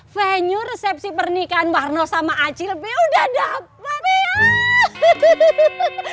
venue resepsi pernikahan warno sama acil pi udah dapet